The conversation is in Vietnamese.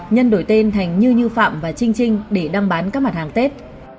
nhân đổi tên thành như như phạm và trinh trinh để đăng bán các mặt hàng tết